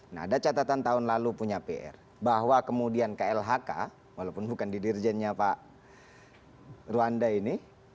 nah ada catatan tahun lalu punya pr bahwa kemudian klhk walaupun bukan di dirjennya pak ruanda ini